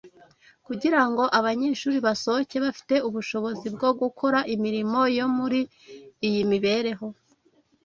kugira ngo abanyeshuri basohoke bafite ubushobozi bwo gukora imirimo yo muri iyi mibereho.